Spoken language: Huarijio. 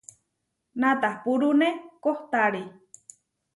Natapúrune kohtári.